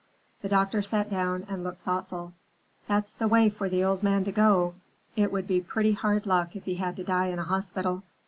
The doctor sat down and looked thoughtful. "That's the way for the old man to go. It would be pretty hard luck if he had to die in a hospital.